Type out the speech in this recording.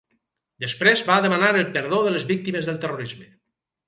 Després va demanar el perdó de les víctimes del terrorisme.